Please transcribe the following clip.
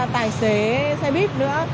tài xế xe bít nữa